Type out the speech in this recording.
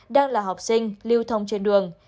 đang là học sinh lưu thông trên đường